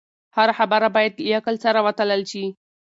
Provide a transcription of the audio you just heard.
هره خبره باید له عقل سره وتلل شي.